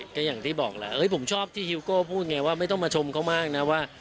ก็อย่างที่บอกแล้วผมชอบที่ฮิวโก้พูดไงว่าไม่ต้องมาชมเขามากนะว่า